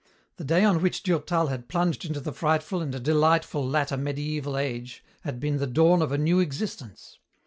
The day on which Durtal had plunged into the frightful and delightful latter mediæval age had been the dawn of a new existence.